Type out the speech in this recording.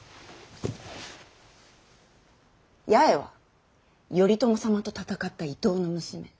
八重は頼朝様と戦った伊東の娘。